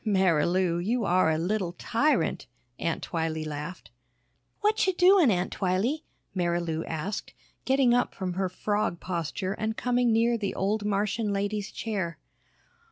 "Marilou, you are a little tyrant!" Aunt Twylee laughed. "Watcha' doin', Aunt Twylee?" Marilou asked, getting up from her frog posture and coming near the old Martian lady's chair.